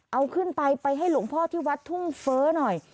เอาขึ้นไปไปให้หลวงพ่อที่วัดทุ่งเฟ้อหน่อย